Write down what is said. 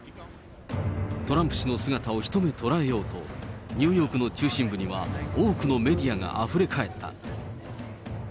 トランプ氏の姿を一目捉えようと、ニューヨークの中心部には多くのメディアがあふれ返った。